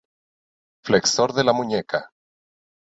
Flexor de la muñeca.